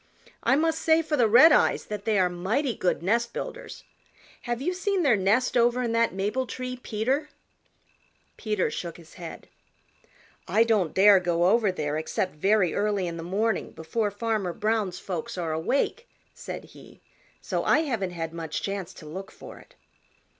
I must say for the Redeyes that they are mighty good nest builders. Have you seen their nest over in that maple tree, Peter?" Peter shook his head. "I don't dare go over there except very early in the morning before Farmer Brown's folks are awake," said he, "so I haven't had much chance to look for it."